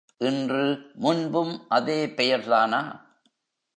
இன்று, முன்பும் அதே பெயர்தானா?